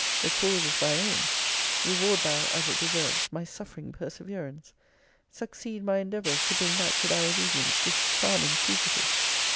[The cause is thy own!] Reward thou, as it deserves, my suffering perseverance! Succeed my endeavours to bring back to thy obedience this charming fugitive!